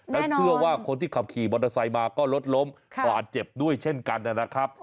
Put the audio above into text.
แล้วเชื่อว่าคนที่ขับขี่มอเตอร์ไซค์มาก็รถล้มบาดเจ็บด้วยเช่นกันนะครับ